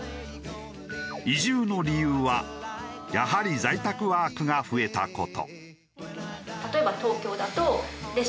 移住の理由はやはり在宅ワークが増えた事。